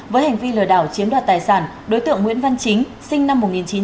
với hành vi lờ đảo chiếm đoạt tài sản đối tượng nguyễn văn chính sinh năm một nghìn chín trăm chín mươi sáu